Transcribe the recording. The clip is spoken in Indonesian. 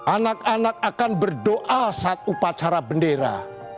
anak anak akan berdoa saat upacara bendera